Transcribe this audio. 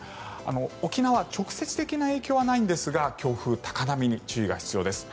沖縄直接的な影響はないんですが強風、高波に注意が必要です。